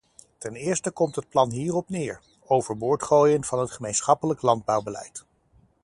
Ten eerste komt het plan hierop neer: overboord gooien van het gemeenschappelijk landbouwbeleid.